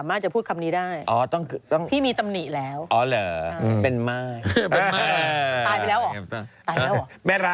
โอ้โฮได้ต่อเลยในช่วงนี้ลูกสาวกลุ่มนี้ฉันอยู่ที่สุดค่ะ